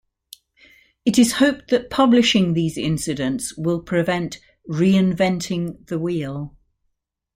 It is hoped that publishing these incidents will prevent "Re-inventing the Wheel".